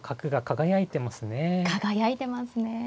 輝いてますね。